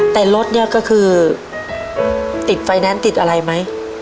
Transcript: แต่รถเนี่ยก็คือติดไฟแนนซ์ติดอะไรไหม